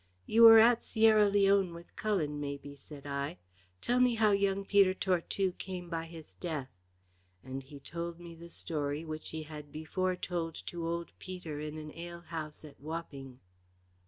"You were at Sierra Leone with Cullen, maybe," said I. "Tell me how young Peter Tortue came by his death?" and he told me the story which he had before told to old Peter in an alehouse at Wapping.